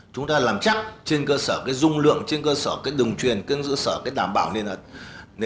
chúng ta làm chắc trên cơ sở cái dung lượng trên cơ sở cái đồng truyền trên cơ sở cái đảm bảo nền ẩn